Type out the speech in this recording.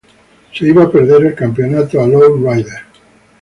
Se iba a perder el campeonato a Low Rider.